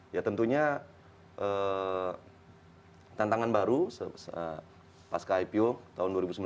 ya tentunya tantangan baru pasca ipo tahun dua ribu sembilan belas